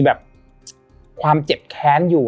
แบบความเจ็บแค้นอยู่